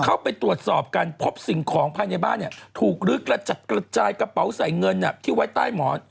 เข้าไปตรวจสอบกันพบสิ่งของภายในบ้านถูกลื้อกระจัดกระจายกระเป๋าใส่เงินที่ไว้ใต้หมอน